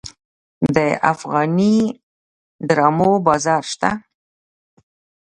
د افغاني ډرامو بازار شته؟